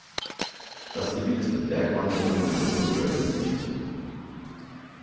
Das Gebiet ist bei Bergwanderern und Pony-Trekkern beliebt.